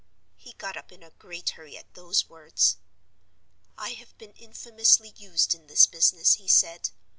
He got up in a great hurry at those words. 'I have been infamously used in this business,' he said.